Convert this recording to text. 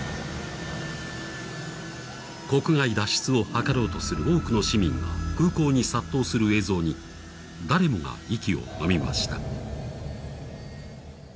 国外脱出を図ろうとする多くの市民が空港に殺到する映像に誰もが息をのみました。